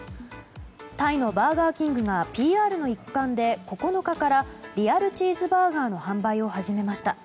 タイのバーガーキングがＰＲの一環で、９日からリアルチーズバーガーの販売を始めました。